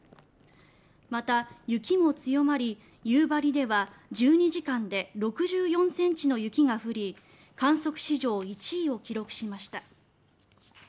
また、雪も強まり夕張では１２時間で６４ｃｍの雪が降り観測史上１位を記録しました。